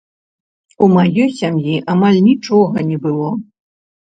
У маёй сям'і амаль нічога не было.